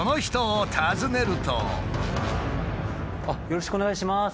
よろしくお願いします。